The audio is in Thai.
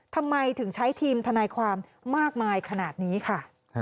ทำไมถึงใช้ทีมทนายความมากมายขนาดนี้ค่ะ